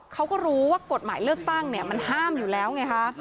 เขาก็รู้ว่ากฎหมายเลือกตั้งมันห้ามอยู่แล้วไงคะ